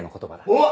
おっ！